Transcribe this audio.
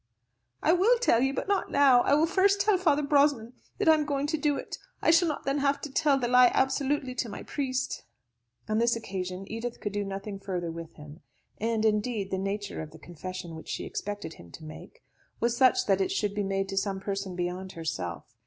"I will tell you, but not now. I will first tell Father Brosnan that I am going to do it; I shall not then have told the lie absolutely to my priest." On this occasion Edith could do nothing further with him; and, indeed, the nature of the confession which she expected him to make was such that it should be made to some person beyond herself.